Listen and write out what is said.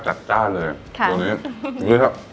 รสชาติจับจ้าเลย